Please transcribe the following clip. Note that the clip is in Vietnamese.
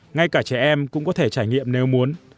ngay cả trẻ em cũng có thể trải nghiệm nếu muốn